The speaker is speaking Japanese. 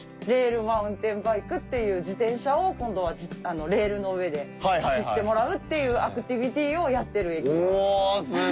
レールマウンテンバイクっていう自転車を今度はレールの上で走ってもらうっていうアクティビティーをやってる駅です。